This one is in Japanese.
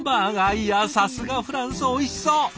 いやさすがフランスおいしそう。